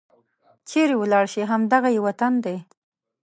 چيرې ولاړې شي؟ همد غه یې وطن دی